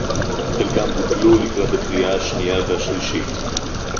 חלקם בוטלו לקראת הקריאה השנייה והשלישית